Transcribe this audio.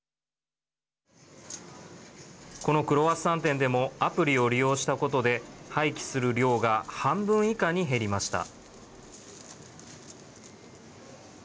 このクロワッサン店でもアプリを利用したことで廃棄する量が半分以下に減りました。